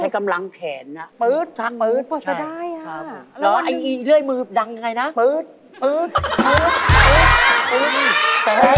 กว่าทั้งเรื่อยเสร็จนะครับครึ่งวันหรือเปล่า